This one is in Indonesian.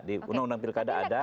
di undang undang pilkada ada